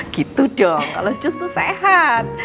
gitu dong kalau jus itu sehat